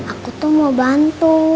aku tuh mau bantu